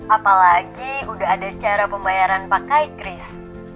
apalagi udah ada cara pembayaran pakai kris